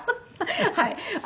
はい。